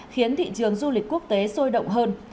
khiến thị trường du lịch quốc tế sôi động hơn